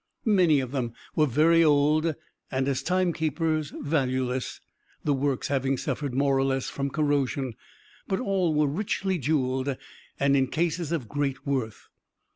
Many of them were very old, and as timekeepers, valueless; the works having suffered, more or less, from corrosion but all were richly jewelled and in cases of great worth.